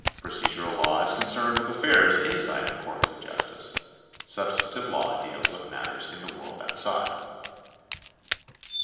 Procedural law is concerned with affairs inside the courts of justice ; substantive law deals with matters in the world outside.